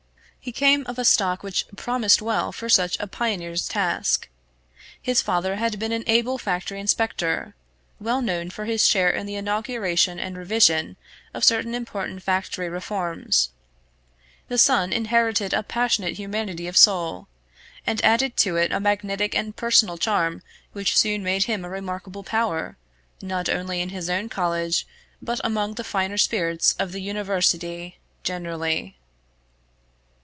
He came of a stock which promised well for such a pioneer's task. His father had been an able factory inspector, well known for his share in the inauguration and revision of certain important factory reforms; the son inherited a passionate humanity of soul; and added to it a magnetic and personal charm which soon made him a remarkable power, not only in his own college, but among the finer spirits of the University generally.